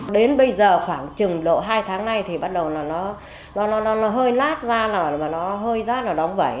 đến bây giờ khoảng chừng độ hai tháng nay thì bắt đầu là nó hơi lát ra là nó hơi rát là nó nóng vẩy